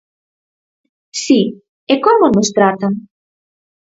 Si, ¿e como nos tratan?